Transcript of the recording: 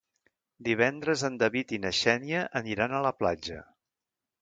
Divendres en David i na Xènia aniran a la platja.